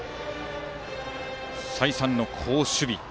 再三の好守備。